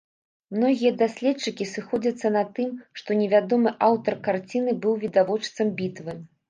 Многія даследчыкі сыходзяцца на тым, што невядомы аўтар карціны быў відавочцам бітвы.